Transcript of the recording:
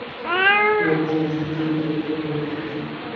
বেলের থায়ামিন ও রিবোফ্লাভিন হূৎপিণ্ড এবং লিভার ভালো রাখতে সাহায্য করে।